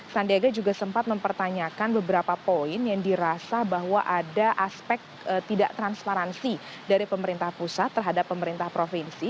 sandiaga juga sempat mempertanyakan beberapa poin yang dirasa bahwa ada aspek tidak transparansi dari pemerintah pusat terhadap pemerintah provinsi